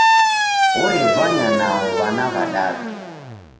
Orevanya nao w'ana w'adadu.